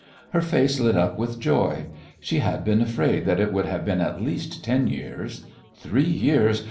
Her face lit up with joy. She had been afraid that it would have been at least ten years. Three years!